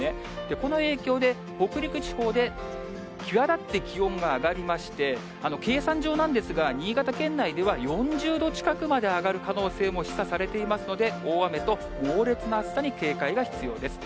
この影響で、北陸地方で際立って気温が上がりまして、計算上なんですが、新潟県内では４０度近くまで上がる可能性も示唆されていますので、大雨と、猛烈な暑さに警戒が必要です。